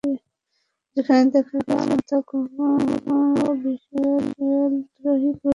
যেখানে দেখা গেছে ন্যাড়া মাথার কোনো বিশালদেহী পুরুষকে জড়িয়ে আছেন দীপিকা।